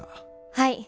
はい。